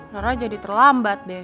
rara jadi terlambat deh